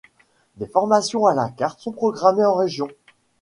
Des formations à la carte sont programmées en région.